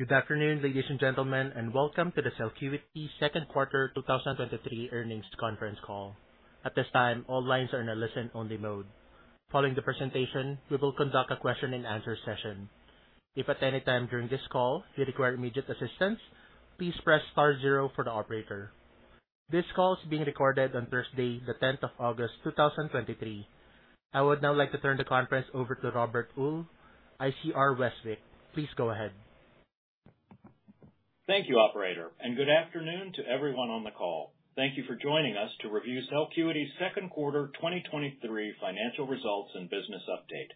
Good afternoon, ladies and gentlemen, and welcome to the Celcuity 2nd Quarter 2023 Earnings Conference Call. At this time, all lines are in a listen-only mode. Following the presentation, we will conduct a question and answer session. If, at any time during this call you require immediate assistance, please press star zero for the operator. This call is being recorded on Thursday, the 10th of August, 2023. I would now like to turn the conference over to Robert Uhl, ICR Westwicke. Please go ahead. Thank you, operator, and good afternoon to everyone on the call. Thank you for joining us to review Celcuity's second quarter 2023 financial results and business update.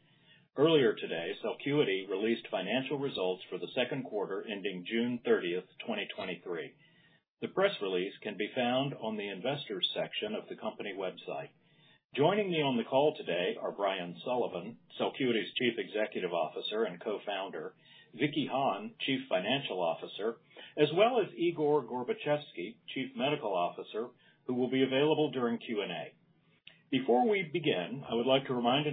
Earlier today, Celcuity released financial results for the second quarter ending June 30th, 2023. The press release can be found on the investors section of the company website. Joining me on the call today are Brian Sullivan, Celcuity's Chief Executive Officer and Co-Founder, Vicky Han, Chief Financial Officer, as well as Igor Gorbachevsky, Chief Medical Officer, who will be available during Q&A. Before we begin, I would like to remind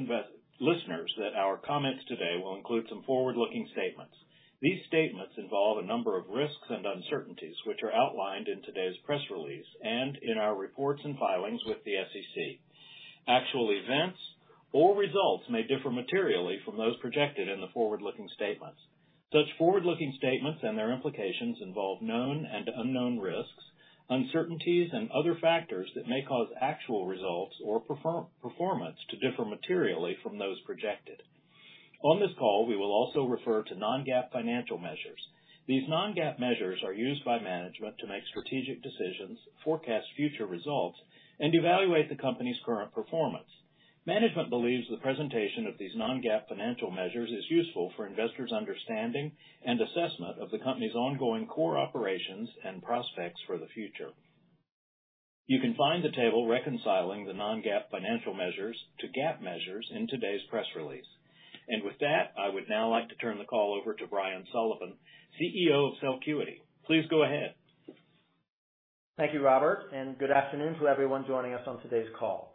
listeners that our comments today will include some forward-looking statements. These statements involve a number of risks and uncertainties, which are outlined in today's press release and in our reports and filings with the SEC. Actual events or results may differ materially from those projected in the forward-looking statements. Such forward-looking statements and their implications involve known and unknown risks, uncertainties, and other factors that may cause actual results or performance to differ materially from those projected. On this call, we will also refer to non-GAAP financial measures. These non-GAAP measures are used by management to make strategic decisions, forecast future results, and evaluate the company's current performance. Management believes the presentation of these non-GAAP financial measures is useful for investors' understanding and assessment of the company's ongoing core operations and prospects for the future. You can find the table reconciling the non-GAAP financial measures to GAAP measures in today's press release. With that, I would now like to turn the call over to Brian Sullivan, CEO of Celcuity. Please go ahead. Thank you, Robert. Good afternoon to everyone joining us on today's call.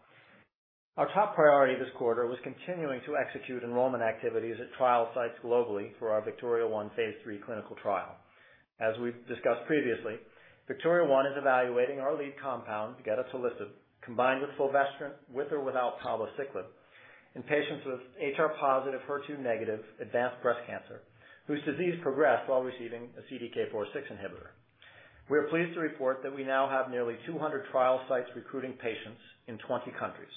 Our top priority this quarter was continuing to execute enrollment activities at trial sites globally for our VICTORIA-1 phase III clinical trial. As we've discussed previously, VICTORIA-1 is evaluating our lead compound, gedatolisib, combined with fulvestrant, with or without palbociclib, in patients with HR-positive, HER2-negative advanced breast cancer, whose disease progressed while receiving a CDK4/6 inhibitor. We are pleased to report that we now have nearly 200 trial sites recruiting patients in 20 countries.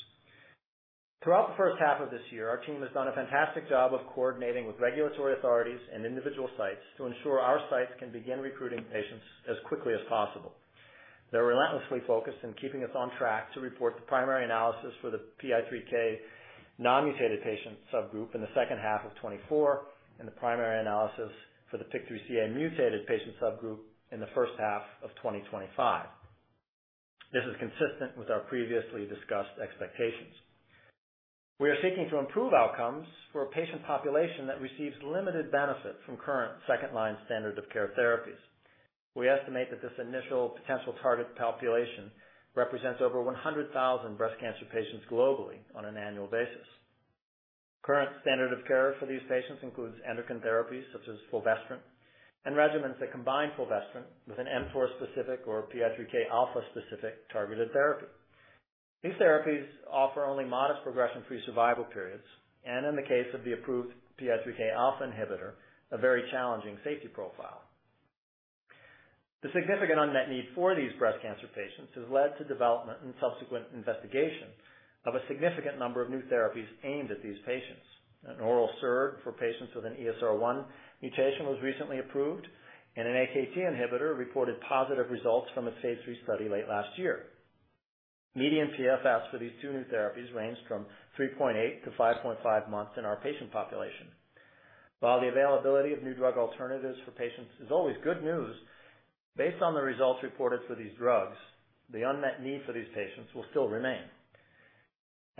Throughout the first half of this year, our team has done a fantastic job of coordinating with regulatory authorities and individual sites to ensure our sites can begin recruiting patients as quickly as possible. They're relentlessly focused on keeping us on track to report the primary analysis for the PI3K non-mutated patient subgroup in the second half of 2024, and the primary analysis for the PIK3CA mutated patient subgroup in the first half of 2025. This is consistent with our previously discussed expectations. We are seeking to improve outcomes for a patient population that receives limited benefit from current second-line standard of care therapies. We estimate that this initial potential targeted population represents over 100,000 breast cancer patients globally on an annual basis. Current standard of care for these patients includes endocrine therapies such as fulvestrant and regimens that combine fulvestrant with an mTOR-specific or PI3Kα-specific targeted therapy. These therapies offer only modest progression-free survival periods, and in the case of the approved PI3Kα inhibitor, a very challenging safety profile. The significant unmet need for these breast cancer patients has led to development and subsequent investigation of a significant number of new therapies aimed at these patients. An oral SERD for patients with an ESR1 mutation was recently approved, and an AKT inhibitor reported positive results from its phase III study late last year. Median PFS for these two new therapies ranged from 3.8-5.5 months in our patient population. While the availability of new drug alternatives for patients is always good news, based on the results reported for these drugs, the unmet need for these patients will still remain.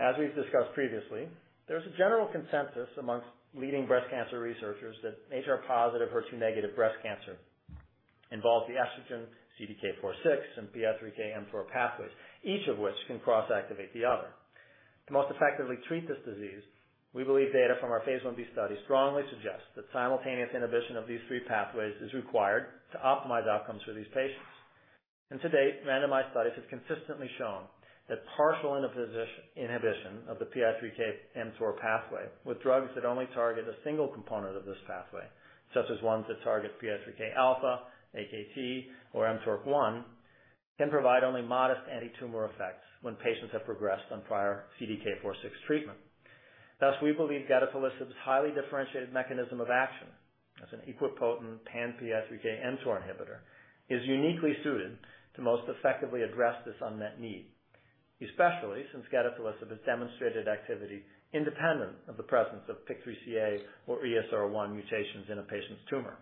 As we've discussed previously, there's a general consensus amongst leading breast cancer researchers that HR-positive, HER2-negative breast cancer involves the estrogen, CDK4/6, and PI3K/mTOR pathways, each of which can cross-activate the other. To most effectively treat this disease, we believe data from our phase I B study strongly suggests that simultaneous inhibition of these three pathways is required to optimize outcomes for these patients. To date, randomized studies have consistently shown that partial inhibition of the PI3K/mTOR pathway with drugs that only target a single component of this pathway, such as ones that target PI3K-alpha, AKT, or mTORC1, can provide only modest antitumor effects when patients have progressed on prior CDK4/6 treatment. We believe gedatolisib's highly differentiated mechanism of action as an equipotent pan-PI3K/mTOR inhibitor, is uniquely suited to most effectively address this unmet need, especially since gedatolisib has demonstrated activity independent of the presence of PIK3CA or ESR1 mutations in a patient's tumor.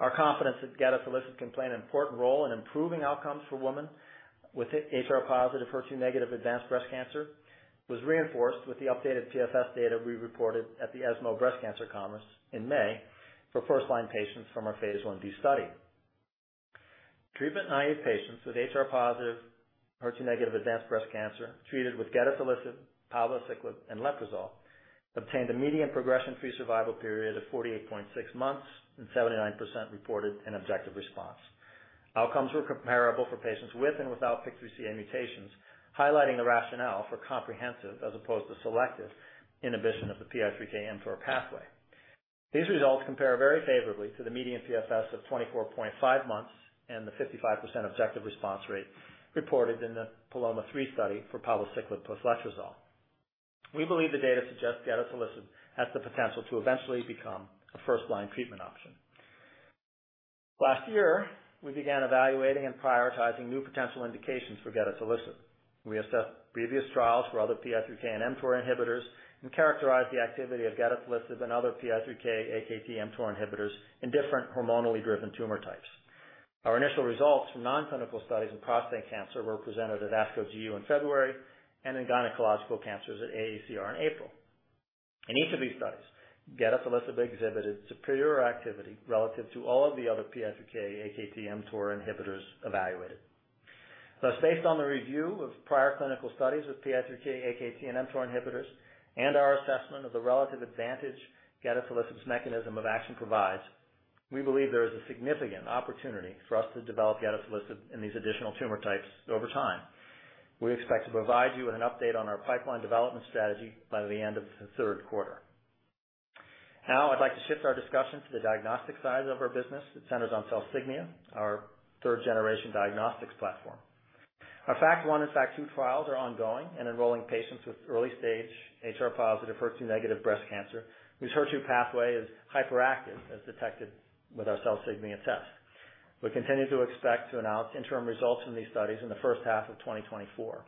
Our confidence that gedatolisib can play an important role in improving outcomes for women with HR-positive, HER2-negative advanced breast cancer, was reinforced with the updated PFS data we reported at the ESMO Breast Cancer Congress in May for first-line patients from our Phase 1b study. Treatment naive patients with HR-positive, HER2-negative advanced breast cancer treated with gedatolisib, palbociclib, and letrozole obtained a median progression-free survival period of 48.6 months, and 79% reported an objective response. Outcomes were comparable for patients with and without PIK3CA mutations, highlighting the rationale for comprehensive as opposed to selective inhibition of the PI3K/mTOR pathway. These results compare very favorably to the median PFS of 24.5 months and the 55% objective response rate reported in the PALOMA-2 study for palbociclib plus letrozole. We believe the data suggests gedatolisib has the potential to eventually become a first-line treatment option. Last year, we began evaluating and prioritizing new potential indications for gedatolisib. We assessed previous trials for other PI3K and mTOR inhibitors and characterized the activity of gedatolisib and other PI3K/AKT/mTOR inhibitors in different hormonally driven tumor types. Our initial results from non-clinical studies in prostate cancer were presented at ASCO GU in February, and in gynecological cancers at AACR in April. In each of these studies, gedatolisib exhibited superior activity relative to all of the other PI3K/AKT/mTOR inhibitors evaluated. Thus, based on the review of prior clinical studies with PI3K/AKT and mTOR inhibitors, and our assessment of the relative advantage gedatolisib's mechanism of action provides, we believe there is a significant opportunity for us to develop gedatolisib in these additional tumor types over time. We expect to provide you with an update on our pipeline development strategy by the end of the third quarter. Now, I'd like to shift our discussion to the diagnostic side of our business that centers on CellSignia, our third-generation diagnostics platform. Our FACT-1 and FACT-2 trials are ongoing and enrolling patients with early stage HR-positive, HER2-negative breast cancer, whose HER2 pathway is hyperactive, as detected with our CellSignia test. We continue to expect to announce interim results in these studies in the first half of 2024.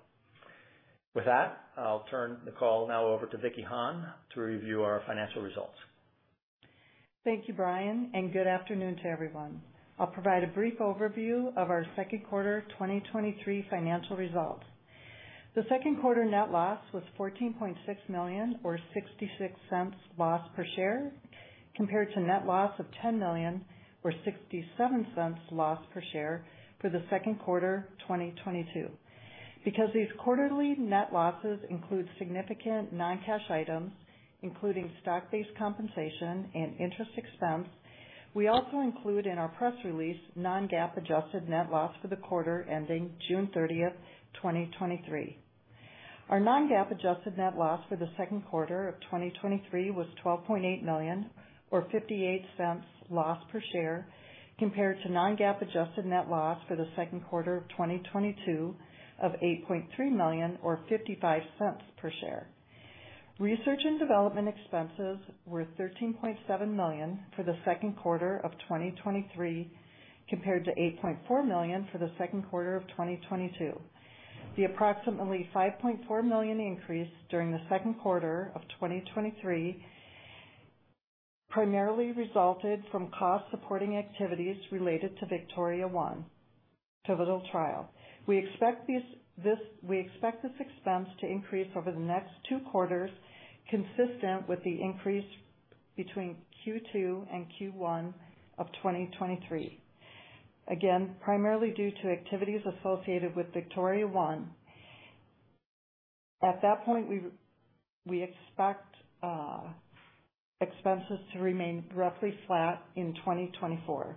With that, I'll turn the call now over to Vicky Han, to review our financial results. Thank you, Brian. Good afternoon to everyone. I'll provide a brief overview of our second quarter 2023 financial results. The second quarter net loss was $14.6 million, or $0.66 loss per share, compared to net loss of $10 million, or $0.67 loss per share for the second quarter 2022. Because these quarterly net losses include significant non-cash items, including stock-based compensation and interest expense, we also include in our press release non-GAAP adjusted net loss for the quarter ending June 30th, 2023. Our non-GAAP adjusted net loss for the second quarter of 2023 was $12.8 million, or $0.58 loss per share, compared to non-GAAP adjusted net loss for the second quarter of 2022 of $8.3 million or $0.55 per share. Research and development expenses were $13.7 million for the second quarter of 2023, compared to $8.4 million for the second quarter of 2022. The approximately $5.4 million increase during the second quarter of 2023 primarily resulted from costs supporting activities related to VICTORIA-1 pivotal trial. We expect this expense to increase over the next two quarters, consistent with the increase between Q2 and Q1 of 2023. Again, primarily due to activities associated with VICTORIA-1. At that point, we, we expect expenses to remain roughly flat in 2024.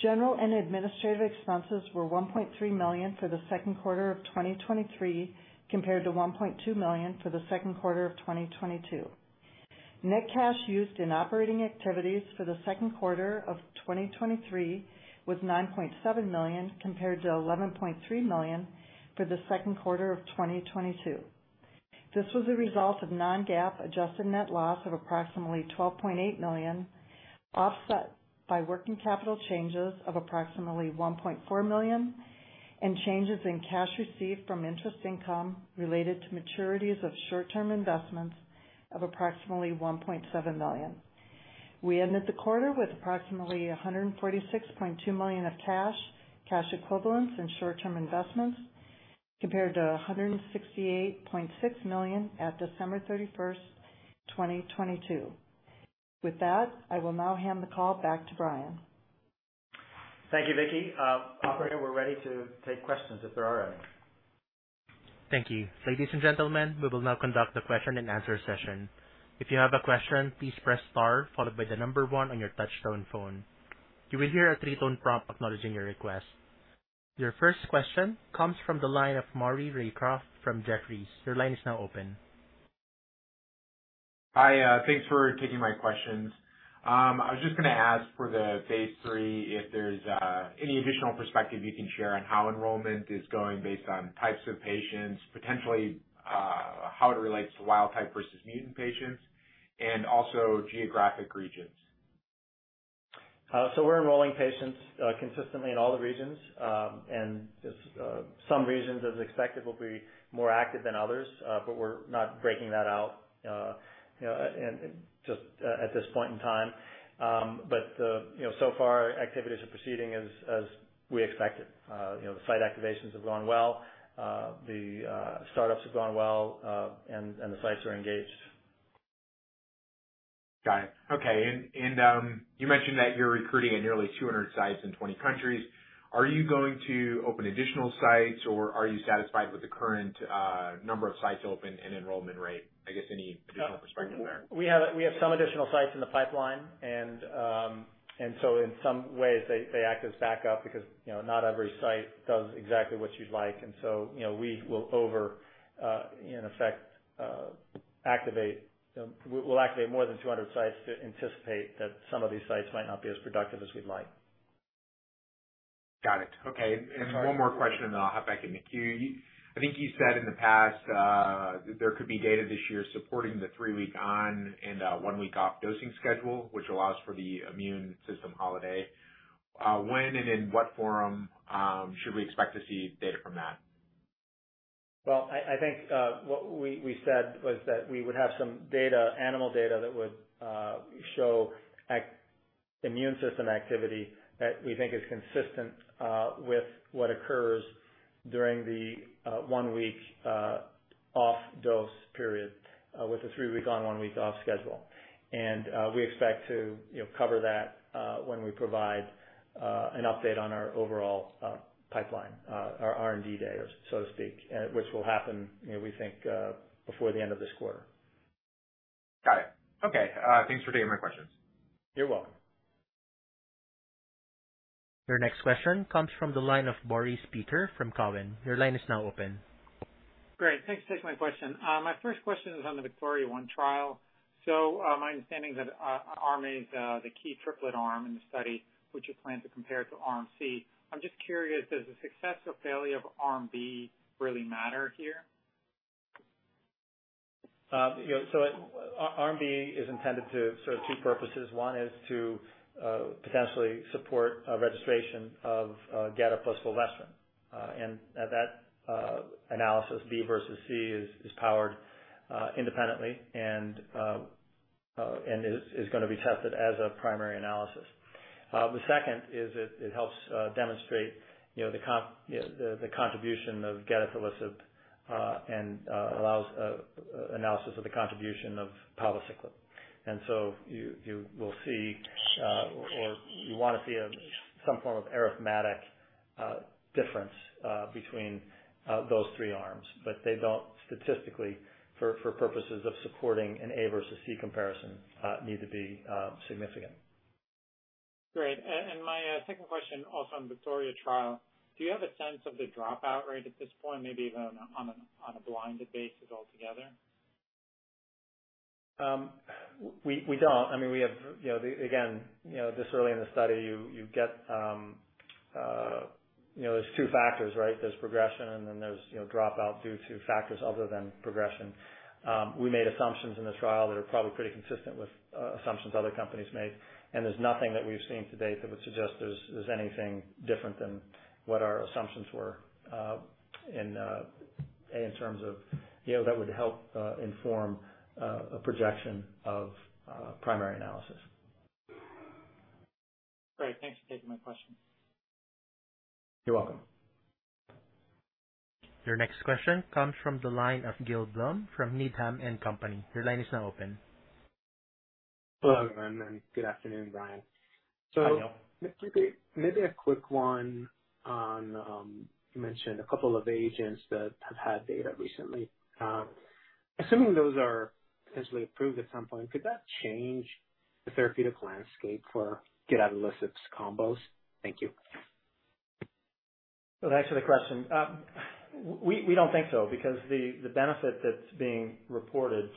General and administrative expenses were $1.3 million for the second quarter of 2023, compared to $1.2 million for the second quarter of 2022. Net cash used in operating activities for the second quarter of 2023 was $9.7 million, compared to $11.3 million for the second quarter of 2022. This was a result of non-GAAP adjusted net loss of approximately $12.8 million, offset by working capital changes of approximately $1.4 million, and changes in cash received from interest income related to maturities of short-term investments of approximately $1.7 million. We ended the quarter with approximately $146.2 million of cash, cash equivalents, and short-term investments, compared to $168.6 million at December thirty-first, 2022. With that, I will now hand the call back to Brian. Thank you, Vicky. operator, we're ready to take questions if there are any. Thank you. Ladies and gentlemen, we will now conduct a question-and-answer session. If you have a question, please press star followed by the number one on your touchtone phone. You will hear a three-tone prompt acknowledging your request. Your first question comes from the line of Maury Raycroft from Jefferies. Your line is now open. Hi, thanks for taking my questions. I was just gonna ask for the phase 3, if there's any additional perspective you can share on how enrollment is going based on types of patients, potentially, how it relates to wild type versus mutant patients, and also geographic regions? We're enrolling patients, consistently in all the regions. Some regions, as expected, will be more active than others, but we're not breaking that out, you know, at this point in time. You know, so far, activities are proceeding as we expected. You know, the site activations have gone well. The startups have gone well, and the sites are engaged. Got it. Okay, you mentioned that you're recruiting at nearly 200 sites in 20 countries. Are you going to open additional sites, or are you satisfied with the current number of sites open and enrollment rate? I guess any additional perspective there? We have, we have some additional sites in the pipeline. In some ways, they, they act as backup because, you know, not every site does exactly what you'd like. You know, we will over, in effect, activate, we'll activate more than 200 sites to anticipate that some of these sites might not be as productive as we'd like. Got it. Okay. Sorry. One more question, then I'll hop back in the queue. I think you said in the past, there could be data this year supporting the three week on and one week off dosing schedule, which allows for the immune system holiday. When and in what forum should we expect to see data from that? Well, I, I think, what we, we said was that we would have some data, animal data, that would show immune system activity that we think is consistent with what occurs during the one week off dose period with the three week on, one week off schedule. We expect to, you know, cover that when we provide an update on our overall pipeline, our R&D day, so to speak, which will happen, you know, we think, before the end of this quarter. Got it. Okay. Thanks for taking my questions. You're welcome. Your next question comes from the line of Marc Frahm from Cowen. Your line is now open. Great. Thanks for taking my question. My first question is on the VIKTORIA-1 1 trial. My understanding is that arm A is the key triplet arm in the study, which you plan to compare to arm C. I'm just curious, does the success or failure of arm B really matter here? you know, so arm B is intended to serve two purposes. One is to, potentially support a registration of, gada plus Verzenio. That, analysis, B versus C, is, is powered, independently and, and is, is gonna be tested as a primary analysis. The second is it, it helps, demonstrate, you know, the contribution of gedatolisib, and, allows, analysis of the contribution of palbociclib. So you, you will see, or, or you want to see a, some form of arithmetic, difference, between, those three arms. They don't statistically, for, for purposes of supporting an A versus C comparison, need to be, significant. Great. And my, second question, also on VIKTORIA-1 trial. Do you have a sense of the dropout rate at this point, maybe even on a, on a, on a blinded basis altogether? We don't. I mean, we have, you know, the. Again, you know, this early in the study, you, you get, you know, there's two factors, right? There's progression, and then there's, you know, dropout due to factors other than progression. We made assumptions in the trial that are probably pretty consistent with assumptions other companies made, and there's nothing that we've seen to date that would suggest there's, there's anything different than what our assumptions were, in terms of, you know, that would help inform a projection of primary analysis. Great. Thanks for taking my question. You're welcome. Your next question comes from the line of Gil Blum from Needham and Company. Your line is now open. Hello, everyone, and good afternoon, Brian. Hi, Gil. Maybe, maybe a quick one on, you mentioned a couple of agents that have had data recently. Assuming those are potentially approved at some point, could that change the therapeutic landscape for gedatolisib combos? Thank you. Well, thanks for the question. We don't think so, because the benefit that's being reported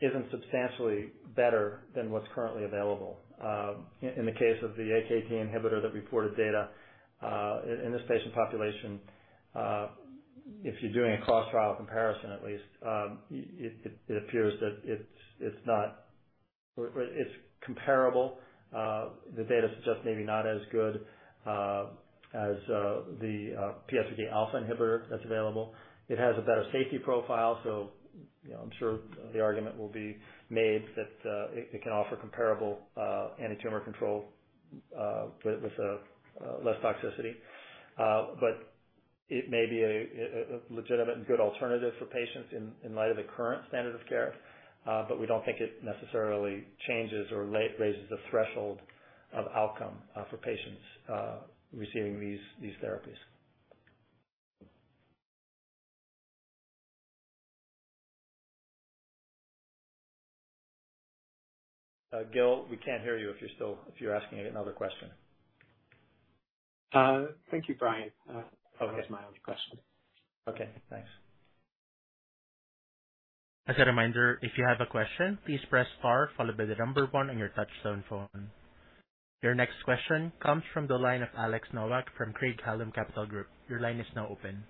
isn't substantially better than what's currently available. In the case of the AKT inhibitor that reported data, in this patient population, if you're doing a cross trial comparison, at least, it appears that it's not... it's comparable. The data suggests maybe not as good as the PI3K-alpha inhibitor that's available. It has a better safety profile. You know, I'm sure the argument will be made that it can offer comparable antitumor control, but with less toxicity. It may be a legitimate and good alternative for patients in light of the current standard of care, but we don't think it necessarily changes or raises the threshold of outcome for patients receiving these therapies. Gil, we can't hear you if you're still if you're asking another question. Thank you, Brian. Okay. That was my only question. Okay, thanks. As a reminder, if you have a question, please press star followed by the number one on your touchtone phone. Your next question comes from the line of Alex Novak from Craig-Hallum Capital Group. Your line is now open.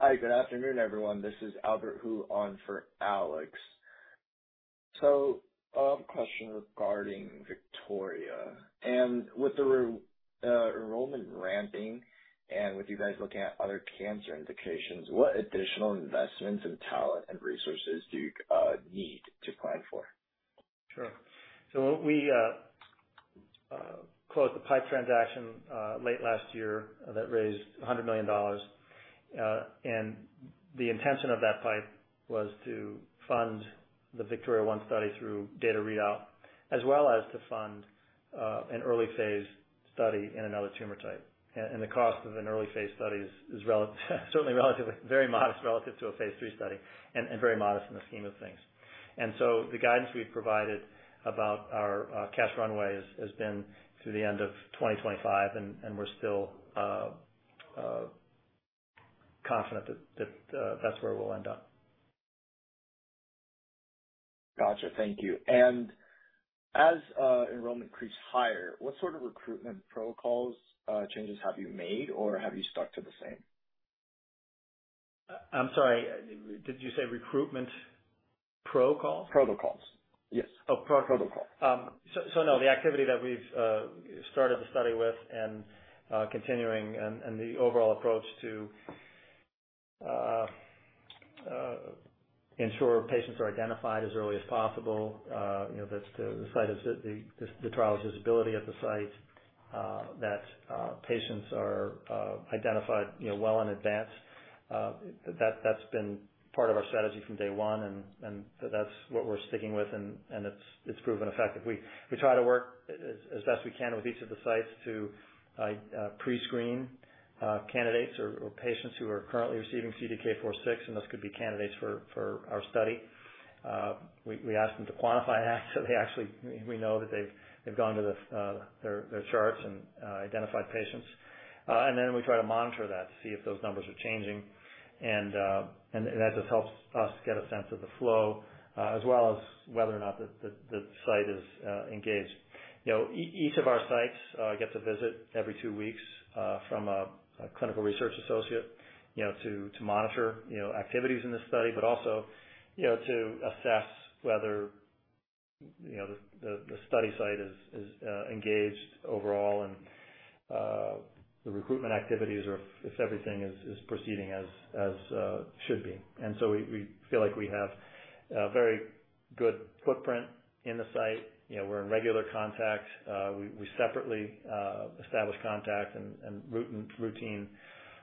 Hi, good afternoon, everyone. This is Albert Hu on for Alex. I have a question regarding VIKTORIA-1. With enrollment ramping and with you guys looking at other cancer indications, what additional investments in talent and resources do you need to plan for? Sure. What we closed the PIPE transaction late last year that raised $100 million. The intention of that PIPE was to fund the VIKTORIA-1 study through data readout, as well as to fund an early phase study in another tumor type. The cost of an early phase study is certainly relatively very modest, relative to a phase III study, and very modest in the scheme of things. The guidance we've provided about our cash runway has been through the end of 2025, and we're still confident that's where we'll end up. Gotcha. Thank you. As enrollment creeps higher, what sort of recruitment protocols, changes have you made, or have you stuck to the same? I'm sorry, did you say recruitment protocols? Protocols, yes. Oh, protocols. Protocols. No, the activity that we've started the study with and continuing and the overall approach to ensure patients are identified as early as possible, you know, that's the site of the, the, the trial's visibility at the site, that patients are identified, you know, well in advance. That, that's been part of our strategy from day one, and that's what we're sticking with, and it's, it's proven effective. We, we try to work as, as best we can with each of the sites to prescreen candidates or patients who are currently receiving CDK4/6, and those could be candidates for our study. We, we ask them to quantify that, so they actually, we know that they've, they've gone to their, their charts and identified patients. Then we try to monitor that to see if those numbers are changing. That just helps us get a sense of the flow, as well as whether or not the, the, the site is engaged. You know, each of our sites gets a visit every two weeks from a clinical research associate, you know, to, to monitor, you know, activities in this study, but also, you know, to assess whether, you know, the, the, the study site is, is engaged overall and the recruitment activities are. If everything is proceeding as should be. So we, we feel like we have a very good footprint in the site. You know, we're in regular contact. We, we separately, establish contact and, routine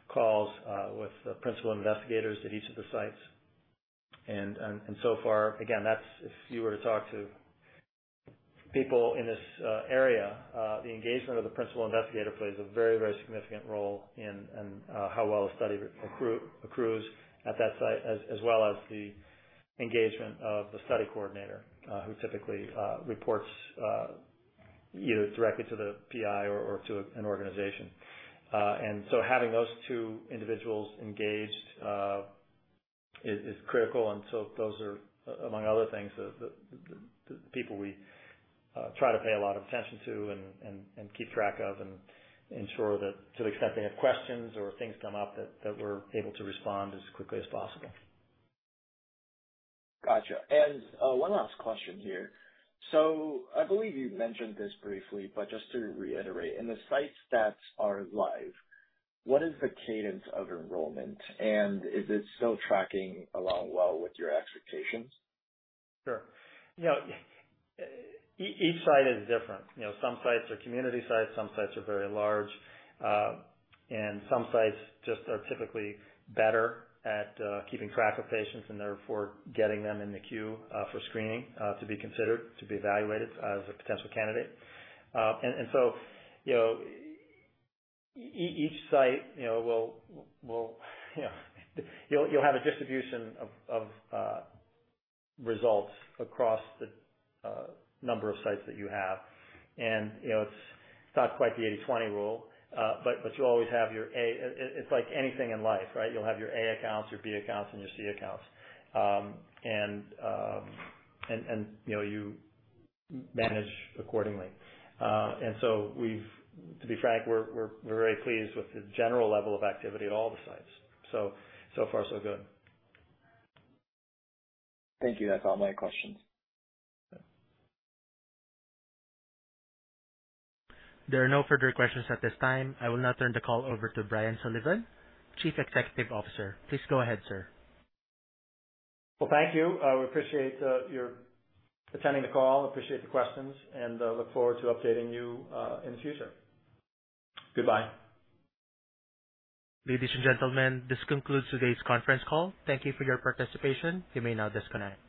calls, with the principal investigators at each of the sites. So far, again, that's if you were to talk to people in this area, the engagement of the principal investigator plays a very, very significant role in, in, how well a study accrues at that site, as, as well as the engagement of the study coordinator, who typically, reports, either directly to the PI or, or to an organization. Having those two individuals engaged, is critical. So those are, among other things, the people we try to pay a lot of attention to and keep track of and ensure that to the extent they have questions or things come up, that we're able to respond as quickly as possible. Gotcha. One last question here. I believe you mentioned this briefly, but just to reiterate, and the site stats are live, what is the cadence of enrollment, and is it still tracking along well with your expectations? Sure. You know, each site is different. You know, some sites are community sites, some sites are very large, and some sites just are typically better at keeping track of patients and therefore getting them in the queue for screening to be considered, to be evaluated as a potential candidate. You know, each site, you know, will, will, will, you know, you'll, you'll have a distribution of results across the number of sites that you have. You know, it's not quite the 80/20 rule, but, but you'll always have your A. It, it, it's like anything in life, right? You'll have your A accounts, your B accounts, and your C accounts. You know, you manage accordingly. So we've, to be frank, we're very pleased with the general level of activity at all the sites. So far, so good. Thank you. That's all my questions. Yeah. There are no further questions at this time. I will now turn the call over to Brian Sullivan, Chief Executive Officer. Please go ahead, sir. Well, thank you. We appreciate your attending the call. Appreciate the questions, and look forward to updating you in the future. Goodbye. Ladies and gentlemen, this concludes today's conference call. Thank you for your participation. You may now disconnect.